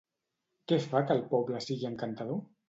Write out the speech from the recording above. Què fa que el poble sigui encantador?